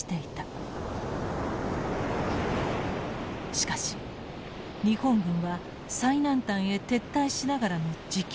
しかし日本軍は最南端へ撤退しながらの持久戦を決断。